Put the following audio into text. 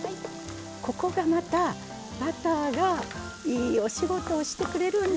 ここがまたバターがいいお仕事をしてくれるんですよ。へ！